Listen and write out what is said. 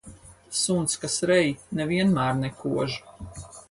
Suns, kas rej, ne vienmēr nekož.